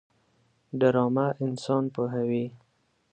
ډرامه انسان پوهوي